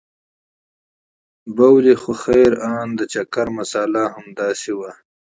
بولې خو خير ان د چکر مساله هم همداسې وه.